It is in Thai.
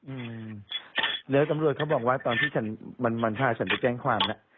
อืมแล้วตำรวจเขาบอกว่าตอนที่ฉันมันมันพาฉันไปแจ้งความแล้ว